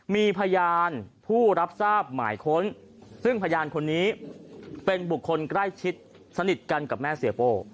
มีพยานผู้รับทราบหมายค้นซึ่งพยานคนนี้เป็นบุคคลใกล้ชิดสนิทกันกับแม่เสียโป้